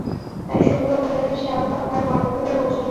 তাই সত্য ও কল্যাণের সে আহবান তার কর্ণকুহরে পৌঁছাল না।